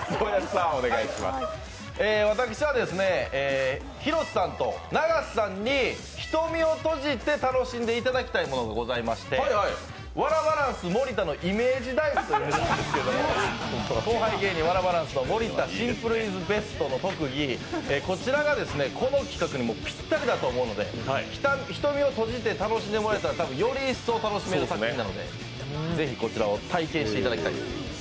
私はですね、広瀬さんと永瀬さんに「瞳をとじて」楽しんでいただきたいことがありまして、「ワラバランス盛田のイメージダイブ」というものですけど、後輩芸人・ワラバランス・盛田シンプルイズベストの特技なんですがこちらがこの企画にぴったりだと思うので瞳を閉じて楽しんでもらえたらより一層楽しめると思うのでぜひ、こちらを体験していただきたい。